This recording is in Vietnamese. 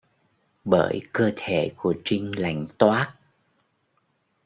bởi cơ thể của trinh lạnh toát